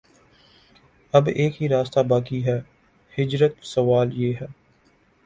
اب ایک ہی راستہ باقی ہے: ہجرت سوال یہ ہے